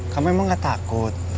kamu emang gak takut